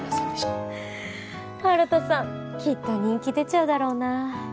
新さんきっと人気出ちゃうだろうな